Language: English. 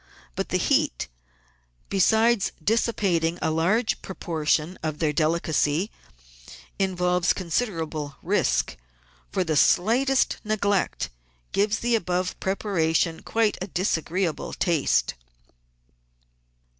Biit the heat, besides dissipat ing a large proportion of their delicacy, involves consider able risk, for the slightest neglect gives the above preparation quite a disagreeable taste.